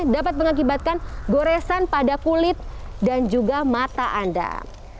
dapat mengakibatkan goresan pada kulit telinga dan juga tubuh